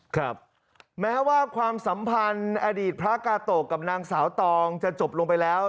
ครับแม้ว่าความสัมพันธ์อดีตพระกาโตะกับนางสาวตองจะจบลงไปแล้ว